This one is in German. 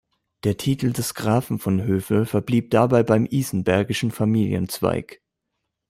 Der Titel des Grafen von Hövel verblieb dabei beim isenbergischen Familienzweig.